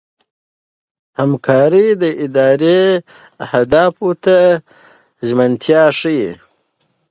همکاري د ادارې اهدافو ته ژمنتیا ښيي.